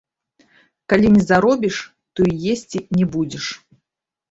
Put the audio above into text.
Калі не заробіш, то і есці не будзеш.